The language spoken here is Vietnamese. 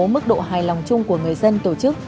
mức độ hài lòng chung của người dân tổ chức